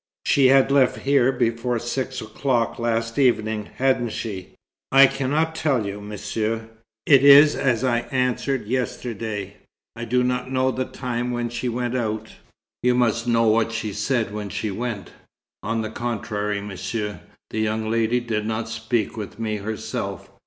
"She had left here before six o'clock last evening, hadn't she?" "I cannot tell you, Monsieur. It is as I answered yesterday. I do not know the time when she went out." "You must know what she said when she went." "On the contrary, Monsieur. The young lady did not speak with me herself.